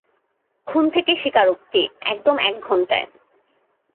খুন থেকে স্বীকারোক্তি, একদম এক ঘণ্টায়।